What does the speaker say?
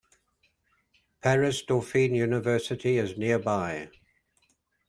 Paris Dauphine University is nearby.